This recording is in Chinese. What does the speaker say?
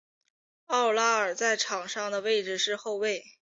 沃拉尔在场上的位置是后卫。